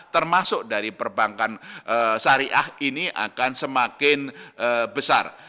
termasuk dari perbankan syariah ini akan semakin besar